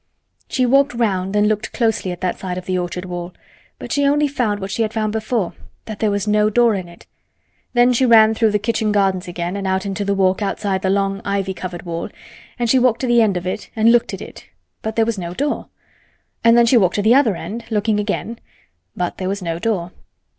She walked round and looked closely at that side of the orchard wall, but she only found what she had found before—that there was no door in it. Then she ran through the kitchen gardens again and out into the walk outside the long ivy covered wall, and she walked to the end of it and looked at it, but there was no door; and then she walked to the other end, looking again, but there was no door.